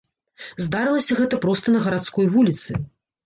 Здарылася гэта проста на гарадской вуліцы.